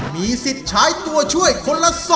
มีสิทธิ์ใช้ตัวช่วยคนละ๒